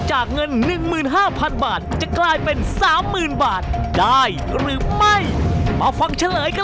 เขาเหนื่อยกับภารกิจเป็นแบบนี้แหละ